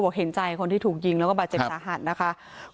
เห็นใจคนที่ถูกยิงแล้วก็บาดเจ็บสาหัสนะคะ